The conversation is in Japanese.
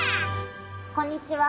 こんにちは！